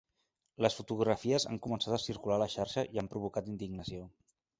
Les fotografies han començat a circular a la xarxa i han provocat indignació.